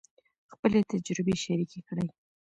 خپلې تجربې شریکې کړئ.